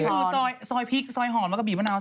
อันนี้คือซอยพริกซอยหอนวักกะบีมะนาวใส่